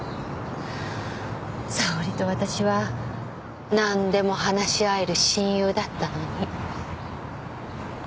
沙織と私は何でも話し合える親友だったのに。